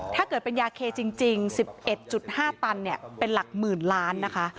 ถ้าเกิดเป็นยาเคจริง๑๑๕ตันเป็นหลักหมื่นล้านนะคะ